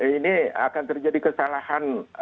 ini akan terjadi kesalahan